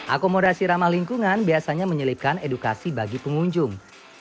akomodasi ramah lingkungan biasanya menyelipkan edukasi bagi pengunjung